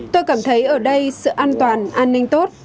tôi cảm thấy ở đây sự an toàn an ninh tốt